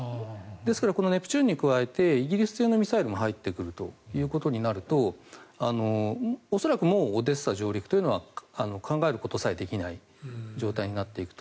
ですからこのネプチューンに加えてイギリス製のミサイルも入ってくるとなると恐らくオデッサ上陸というのは考えることさえできない状態になっていく。